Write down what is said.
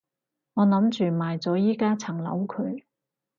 我諗住賣咗依加層樓佢